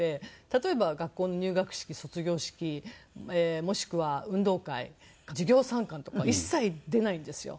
例えば学校の入学式卒業式もしくは運動会授業参観とか一切出ないんですよ。